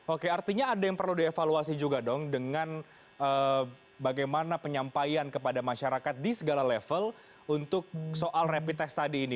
oke artinya ada yang perlu dievaluasi juga dong dengan bagaimana penyampaian kepada masyarakat di segala level untuk soal rapid test tadi ini